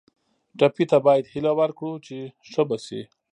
ټپي ته باید هیله ورکړو چې ښه به شي.